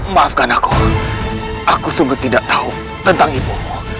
maafkan aku aku sungguh tidak tahu tentang ibu